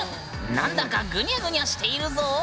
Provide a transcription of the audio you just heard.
何だかグニャグニャしているぞ！